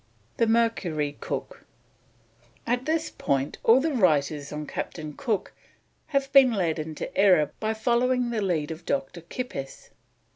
THE MERCURY COOK. At this point all the writers on Captain Cook have been led into error by following the lead of Dr. Kippis.